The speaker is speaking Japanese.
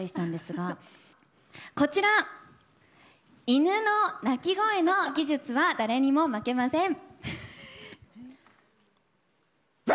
犬の鳴き声の技術は誰にも負けません！